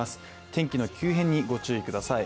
天気の急変にご注意ください。